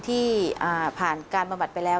ที่ผ่านการบำบัดไปแล้ว